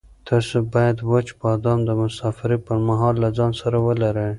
تاسو باید وچ بادام د مسافرۍ پر مهال له ځان سره ولرئ.